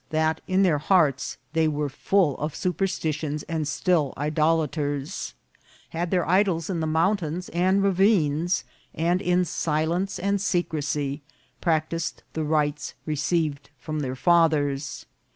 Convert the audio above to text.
that in their hearts they were full of superstitions, and still idolaters ; had their idols in the mountains and ra vines, and in silence and secrecy practised the rites re ceived from their fathers.